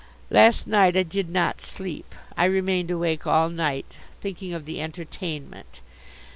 Last night I did not sleep. I remained awake all night thinking of the "entertainment."